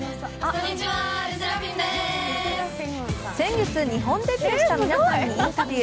先月日本デビューした皆さんにインタビュー。